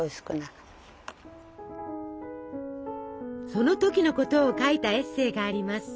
その時のことを書いたエッセイがあります。